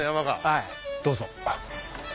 はいどうぞ。